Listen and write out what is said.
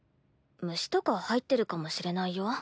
虫とか入ってるかもしれないよ。